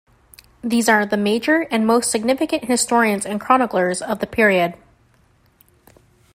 These are the major and most significant historians and chroniclers of the period.